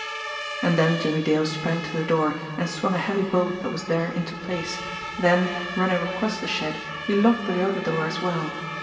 And then Jimmie Dale sprang to the door, and swung a heavy bolt that was there into place; then, running across the shed, he locked the other door as well.